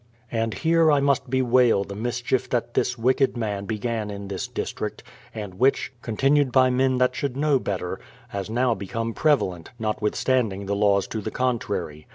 And here I must bewail the mischief that this wicked man began in this district, and w^hich, continued by men that should know better, has now become prevalent, not withstanding the laws to the contrary.